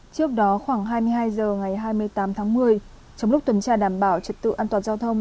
trước đó khoảng hai mươi hai h ngày hai mươi tám tháng một mươi trong lúc tuần tra đảm bảo trật tự an toàn giao thông